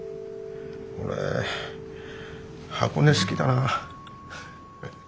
俺箱根好きだな。